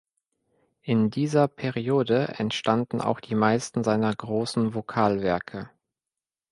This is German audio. In dieser Periode entstanden auch die meisten seiner großen Vokalwerke.